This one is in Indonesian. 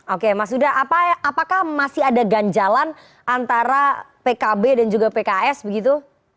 oke mas huda apakah masih ada ganjalan antara pkb dan juga pks begitu